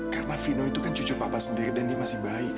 karena vino itu kan cucu papa sendiri dan dia masih baik